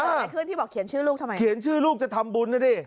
ไหนขึ้นที่บอกเขียนชื่อลูกทำไมเขียนชื่อลูกจะทำบุญนะดิ